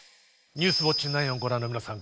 「ニュースウオッチ９」をご覧の皆さん